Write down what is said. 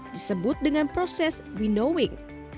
disebut dengan proses winnowing